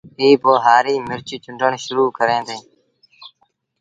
ائيٚݩ پو هآريٚ مرچ چُونڊڻ شرو ڪين دآ